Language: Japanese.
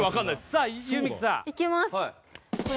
さあ弓木さん。いきます。